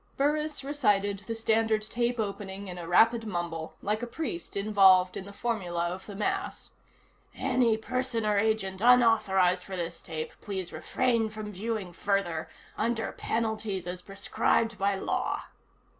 Burris recited the standard tape opening in a rapid mumble, like a priest involved in the formula of the Mass: "Any person or agent unauthorized for this tape please refrain from viewing further, under penalties as prescribed by law."